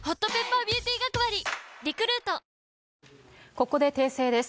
ここで訂正です。